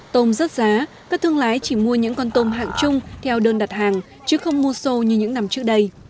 tôm rớt giá các thương lái chỉ mua những con tôm hạng chung theo đơn đặt hàng chứ không mua sô như những năm trước đây